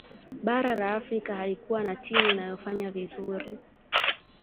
bara la afrika halikuwa na timu iliyofanya vizuri